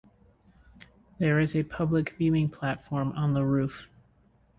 There is a public viewing platform on the roof.